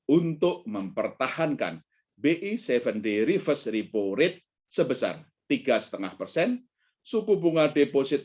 untuk mempertahankan bi tujuh day reverse repo rate sebesar tiga lima persen suku bunga deposit